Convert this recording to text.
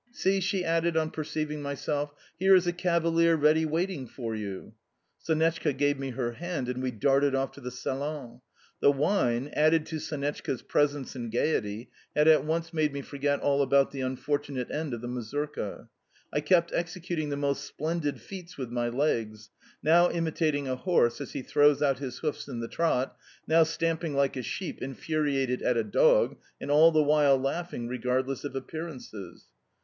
See," she added on perceiving myself, "here is a cavalier ready waiting for you." Sonetchka gave me her hand, and we darted off to the salon. The wine, added to Sonetchka's presence and gaiety, had at once made me forget all about the unfortunate end of the mazurka. I kept executing the most splendid feats with my legs now imitating a horse as he throws out his hoofs in the trot, now stamping like a sheep infuriated at a dog, and all the while laughing regardless of appearances.